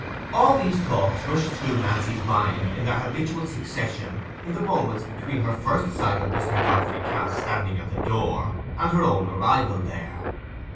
All these thoughts rushed through Miss Nancy's mind, in their habitual succession, in the moments between her first sight of Mr. Godfrey Cass standing at the door and her own arrival there.